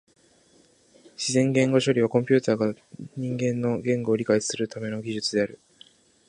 自然言語処理はコンピュータが人間の言語を理解するための技術である。